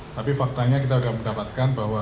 tapi faktanya kita sudah mendapatkan bahwa